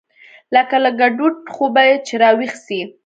لکه له ګډوډ خوبه چې راويښ سې.